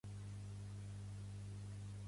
Pertany al moviment independentista la Cris?